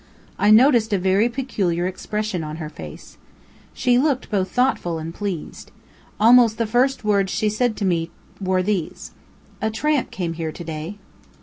I noticed a very peculiar expression on her face. She looked both thoughtful and pleased. Almost the first words she said to me were these: "A tramp came here to day."